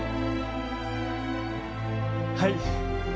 はい。